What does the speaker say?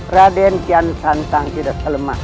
raden kian santang tidak selemah